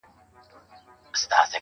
ددغه خلگو په كار، كار مه لره.